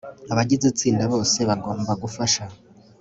abagize itsinda bose bagomba gufasha